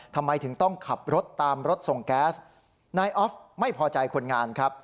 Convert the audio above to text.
ทำไมถึงต้องขับรถตามรถส่งแก๊สนายออฟไม่พอใจคนงานครับ